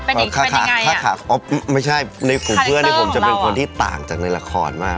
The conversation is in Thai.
เป็นยังไงอะคาคารไม่ใช่ในกลุ่มเพื่อนผมจะเป็นคนที่ต่างจากในละครมาก